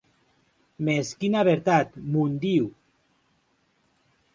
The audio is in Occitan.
Mès quina vertat, mon Diu!